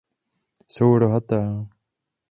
Jsou rohatá.